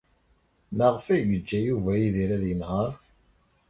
Maɣef ay yeǧǧa Yuba Yidir ad yenheṛ?